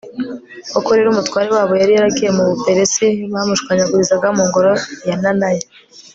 koko rero umutware wabo yari yaragiye mu buperisi bamushwanyaguriza mu ngoro ya nanaya